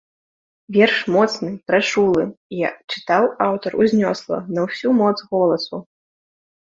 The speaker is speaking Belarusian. Верш моцны, прачулы, і чытаў аўтар узнёсла, на ўсю моц голасу.